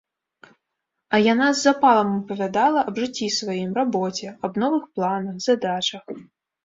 А яна з запалам апавядала аб жыцці сваім, рабоце, аб новых планах, задачах.